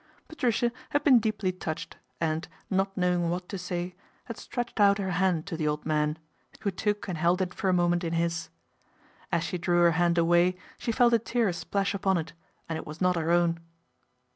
Patricia had been deeply touched and, not know ing what to say, had stretched out her hand to the old man, who took and held it for a moment in his. As she drew her hand away she felt a tear splash upon it, and it was not her own.